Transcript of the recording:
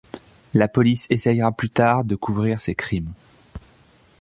La police essayera plus tard de couvrir ces crimes.